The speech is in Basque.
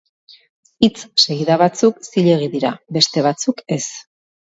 Hitz-segida batzuk zilegi dira, beste batzuk ez.